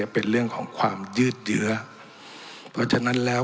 เป็นเรื่องของความยืดเยื้อเพราะฉะนั้นแล้ว